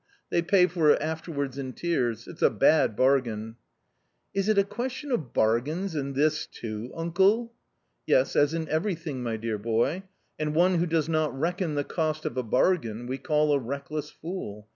they pay for it afterwards in tears ; it's a bad bargain !"" Is it a question of bargains in this too, uncle ?"" Yes, as in everything, my dear boy ; and one who does not reckon the cost of a bargain we call a reckless fool.